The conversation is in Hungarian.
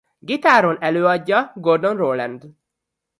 Gitáron előadja Gordon Rowland.